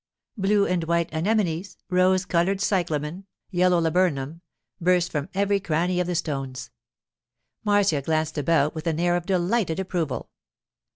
Blue and white anemones, rose coloured cyclamen, yellow laburnum, burst from every cranny of the stones. Marcia glanced about with an air of delighted approval.